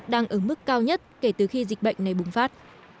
đang ở mức cao nhất kể từ khi dịch bệnh này bùng phát